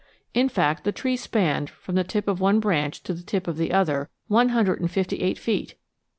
In fact, the tree spanned, from the tip of one branch to the tip of the other, one hundred and fifty eight feet.